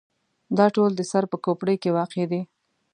دا ټول د سر په کوپړۍ کې واقع دي.